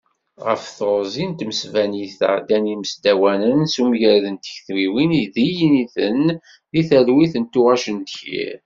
Ɣef teɣzi n tmesbanit-a, ddan yisdawanen s umgarad n tektiwin d yiniten deg talwit s tuɣac n ddkir.